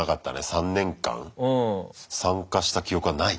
３年間参加した記憶はないね。